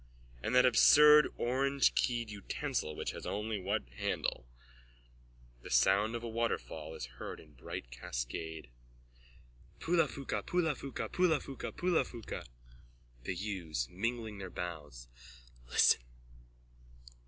And that absurd orangekeyed utensil which has only one handle. (The sound of a waterfall is heard in bright cascade.) THE WATERFALL: Poulaphouca Poulaphouca Poulaphouca Poulaphouca. THE YEWS: (Mingling their boughs.) Listen.